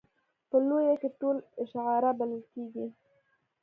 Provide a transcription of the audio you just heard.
په لویه کې ټول اشاعره بلل کېږي.